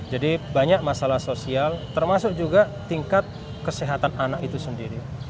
jadi banyak masalah sosial termasuk juga tingkat kesehatan anak itu sendiri